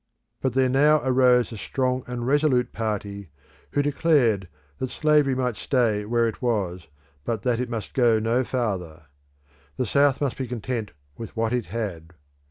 But there now arose a strong and resolute party who declared that slavery might stay where it was, but that it must go no farther. The South must be content with what it had.